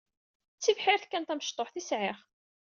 D tibḥirt kan tamecṭuht i sɛiɣ.